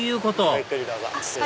ゆっくりどうぞ。